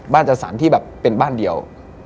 จัดสรรที่แบบเป็นบ้านเดียว